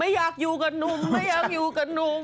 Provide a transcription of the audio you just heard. อยากอยู่กับหนุ่มไม่อยากอยู่กับหนุ่ม